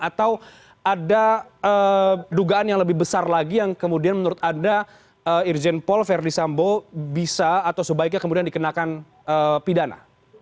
atau ada dugaan yang lebih besar lagi yang kemudian menurut anda irjen paul verdi sambo bisa atau sebaiknya kemudian dikenakan pidana